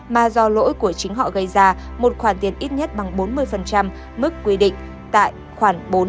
mà do lỗi của chính họ gây ra một khoản tiền ít nhất bằng bốn mươi mức quy định tại khoảng bốn mươi